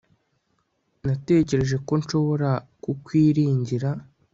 Natekereje ko nshobora kukwiringira